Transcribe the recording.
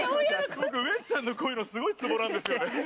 僕ウエンツさんのこういうの、ツボなんですよね。